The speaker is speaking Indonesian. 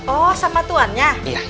oh sama tuannya